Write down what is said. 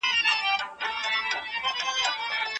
خلک ویره لري چې دا ډبره به له ځمکې سره ټکر وکړي.